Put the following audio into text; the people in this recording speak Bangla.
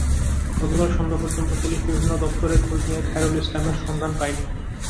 গতকাল সন্ধ্যা পর্যন্ত পুলিশ বিভিন্ন দপ্তরে খোঁজ নিয়ে খাইরুল ইসলামের সন্ধান পায়নি।